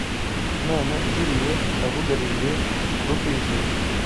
Imana igiriye abugarijwe Kubwo kwizera,